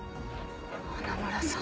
花村さん。